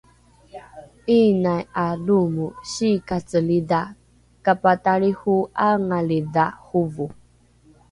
’iinai ’a loomo siikacelidha kapatalriho’aengalidha hovo